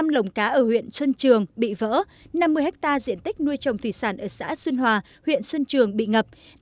năm lồng cá ở huyện xuân trường bị vỡ năm mươi ha diện tích nuôi trồng thủy sản ở xã xuân hòa huyện xuân trường bị ngập